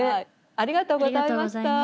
・ありがとうございます。